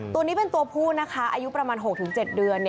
ตัวนี้เป็นตัวผู้นะคะอายุประมาณ๖๗เดือน